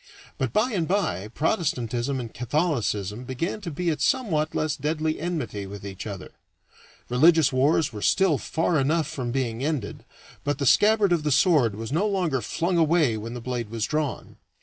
But by and by Protestantism and Catholicism began to be at somewhat less deadly enmity with each other; religious wars were still far enough from being ended, but the scabbard of the sword was no longer flung away when the blade was drawn.